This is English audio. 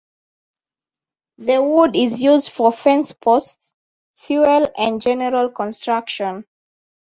The wood is used for fence posts, fuel and general construction.